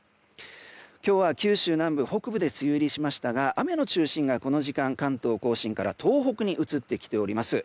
今日は九州南部、北部で梅雨入りしましたが雨の中心はこの時間関東・甲信から東北に移ってきております。